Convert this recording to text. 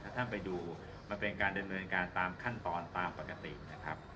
ถ้าท่านไปดูมันเป็นการดำเนินการตามขั้นตอนตามปกตินะครับ